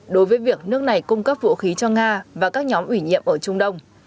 đối với việc nước này cung cấp vũ khí cho nga và các nhóm ủy nhiệm ở trung đông